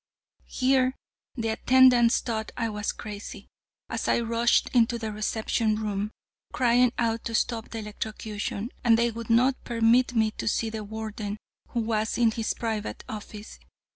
"Here the attendants thought I was crazy, as I rushed into the reception room, crying out to stop the electrocution, and they would not permit me to see the Warden, who was in his private office.